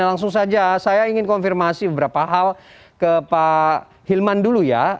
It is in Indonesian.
langsung saja saya ingin konfirmasi beberapa hal ke pak hilman dulu ya